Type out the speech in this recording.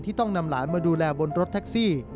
ต้องนำหลานมาดูแลบนรถแท็กซี่